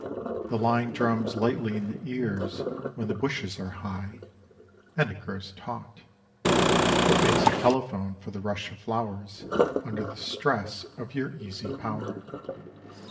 The line drums lightly in the ears when the bushes are high and it grows taut; it makes a telephone for the rush of flowers under the stress of your easy power.